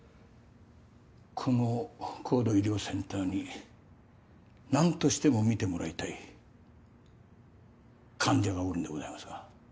この高度医療センターになんとしても診てもらいたい患者がおるんでございますが。